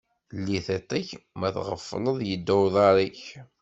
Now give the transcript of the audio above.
Lli tiṭ-ik, ma tɣefleḍ yedda uḍaṛ-ik.